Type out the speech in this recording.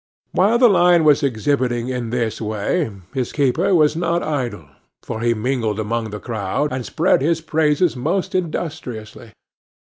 While the lion was exhibiting in this way, his keeper was not idle, for he mingled among the crowd, and spread his praises most industriously.